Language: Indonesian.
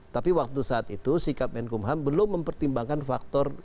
tapi waktu saat itu si kapten kumham belum mempertimbangkan faktor